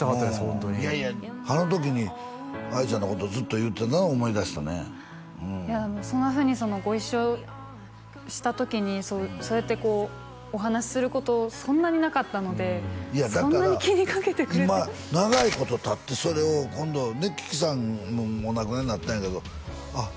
ホントにあの時に愛ちゃんのことずっと言うてたのは思い出したねいやそんなふうにご一緒した時にそうやってお話しすることそんなになかったのでそんなに気にかけてくれて今長いことたってそれを今度樹木さんお亡くなりになったんやけどあっ